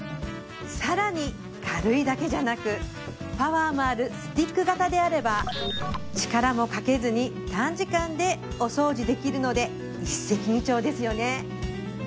更に軽いだけじゃなくパワーもあるスティック型であれば力もかけずに短時間でお掃除できるので一石二鳥ですよね